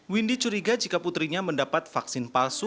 windy curiga jika putrinya mendapat vaksin palsu